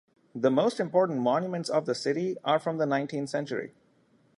The most important monuments of the city are from the nineteenth century.